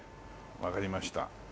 わかりました。